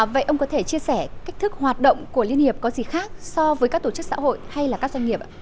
vậy ông có thể chia sẻ cách thức hoạt động của liên hiệp có gì khác so với các tổ chức xã hội hay là các doanh nghiệp ạ